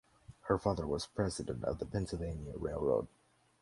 Her father was president of the Pennsylvania Railroad.